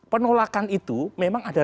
penolakan itu memang ada